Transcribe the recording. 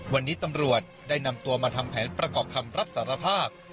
วันนี้ตำรวจได้นำตัวมาทำแผนประกอบคำรับสารภาพ